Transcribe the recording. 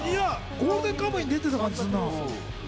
『ゴールデンカムイ』に出てた感じするな。